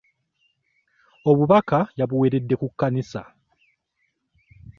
Obubaka yabuweeredde ku kkanisa.